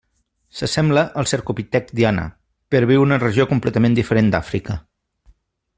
S'assembla al cercopitec diana, però viu en una regió completament diferent d'Àfrica.